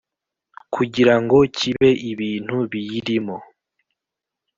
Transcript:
kigira ngo cyibe ibintu biyirimo,